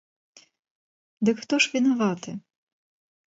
Дык хто ж вінаваты?